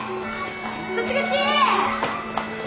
こっちこっち！